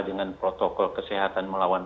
dengan protokol kesehatan melawan